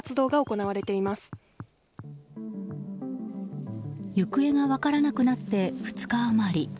行方が分からなくなって２日余り。